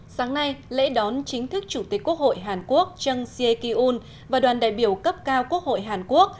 sáng nay lễ đón chính thức chủ tịch quốc hội hàn quốc jang si aek yoon và đoàn đại biểu cấp cao quốc hội hàn quốc